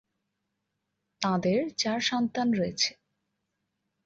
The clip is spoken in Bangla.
তাঁদের চার সন্তান রয়েছে।